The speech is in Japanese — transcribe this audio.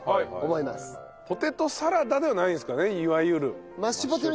ポテトサラダではないんですかねいわゆる。